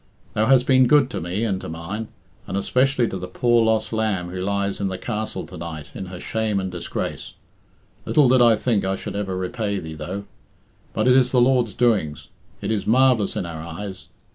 Thou hast been good to me and to mine, and especially to the poor lost lamb who lies in the Castle to night in her shame and disgrace. Little did I think I should ever repay thee, though. But it is the Lord's doings. It is marvellous in our eyes.